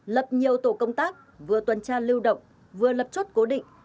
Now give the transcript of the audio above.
lập nhiều tổ công tác vừa tuần tra lưu động vừa lập chốt cố định